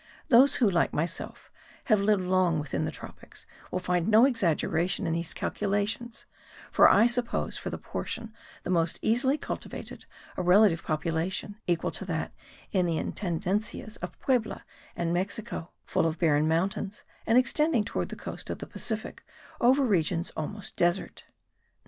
Those who, like myself, have lived long within the tropics, will find no exaggeration in these calculations; for I suppose for the portion the most easily cultivated a relative population equal to that in the intendencias of Puebla and Mexico,* full of barren mountains, and extending towards the coast of the Pacific over regions almost desert.